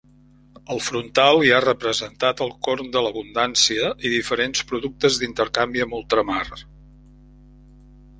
Al frontal hi ha representat el corn de l'abundància i diferents productes d'intercanvi amb ultramar.